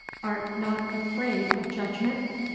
Art not afraid of judgment?